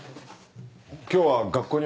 今日は学校には？